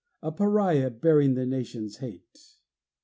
A pariah, bearing the Nation's hate?